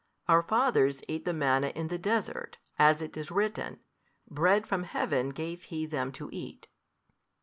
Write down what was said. our fathers ate the manna in the desert, as it is written, Bread from Heaven gave He them to eat.